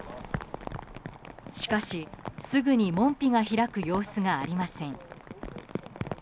しかし、すぐに門扉が開く様子がありません。